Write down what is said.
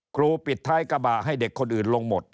ปิดท้ายกระบะให้เด็กคนอื่นลงหมด